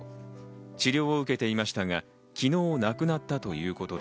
治療を受けていましたが、昨日亡くなったということです。